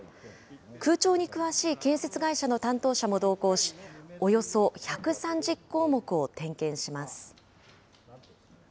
空調に詳しい建設会社の担当者も同行し、およそ１３０項目を点検します。